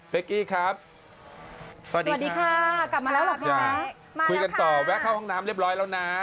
กี้ครับสวัสดีค่ะกลับมาแล้วเหรอพี่นะมาคุยกันต่อแวะเข้าห้องน้ำเรียบร้อยแล้วนะ